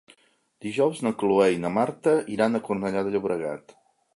Dijous na Cloè i na Marta iran a Cornellà de Llobregat.